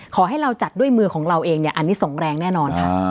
ขอให้เราจัดด้วยมือของเราเองเนี่ยอันนี้ส่งแรงแน่นอนค่ะ